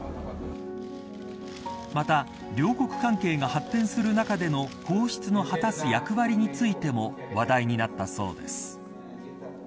また両国関係が発展する中での皇室の果たす役割についても話題になったそうです。